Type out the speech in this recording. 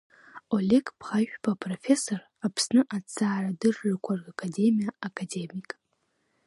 Олег Бӷажәба апрофессор, Аԥсны аҭҵаарадыррақәа Ракадемиа академик…